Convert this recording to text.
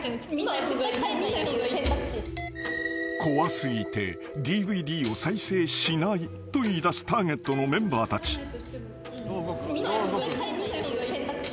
［怖過ぎてＤＶＤを再生しないと言いだすターゲットのメンバーたち］